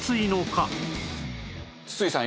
筒井さん